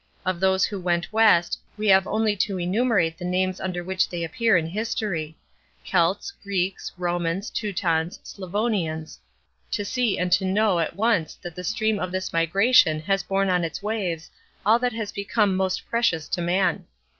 Of those who went west, we have only to enumerate the names under which they appear in history—Celts, Greeks, Romans, Teutons, Slavonians—to see and to know at once that the stream of this migration has borne on its waves all that has become most precious to man.